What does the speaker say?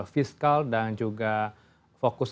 fiskal dan juga fokus